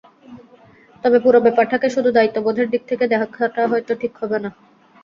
তবে পুরো ব্যাপারটাকে শুধু দায়িত্ববোধের দিক থেকে দেখাটা হয়তো ঠিক হবে না।